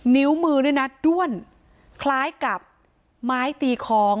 นิ้วมือด้วยนะด้วนคล้ายกับไม้ตีคล้อง